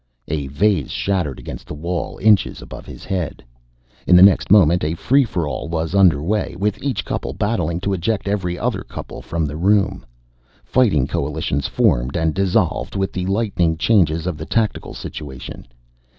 A vase shattered against the wall, inches above his head. In the next moment, a free for all was under way, with each couple battling to eject every other couple from the room. Fighting coalitions formed and dissolved with the lightning changes of the tactical situation.